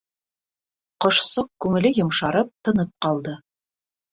Ҡошсоҡ, күңеле йомшарып, тынып ҡалды.